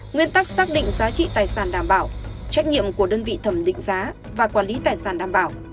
nguyên tắc xác định giá trị tài sản đảm bảo trách nhiệm của đơn vị thẩm định giá và quản lý tài sản đảm bảo